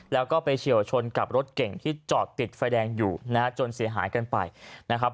แล้วก็ไปเฉียวชนกับรถเก่งที่จอดติดไฟแดงอยู่นะฮะจนเสียหายกันไปนะครับ